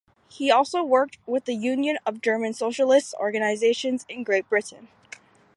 He also worked with the Union of German Socialist Organisations in Great Britain.